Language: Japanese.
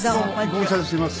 ご無沙汰してます。